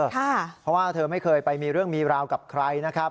เพราะว่าเธอไม่เคยไปมีเรื่องมีราวกับใครนะครับ